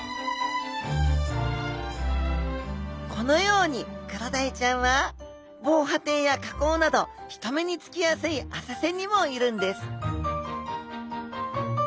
このようにクロダイちゃんは防波堤や河口など人目につきやすい浅瀬にもいるんです